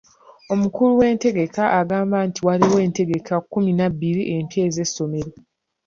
Omukulu w'entegeka agamba nti waliwo entegeka kkumi na bbiri empya ez'essomero.